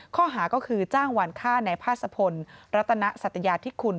ข้อหาก็คือจ้างหวานฆ่าในภาษพลรัตนสัตยาธิคุณ